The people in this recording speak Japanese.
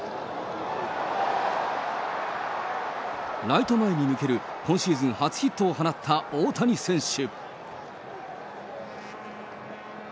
ライト前に抜ける今シーズン初ヒットを放った大谷選手。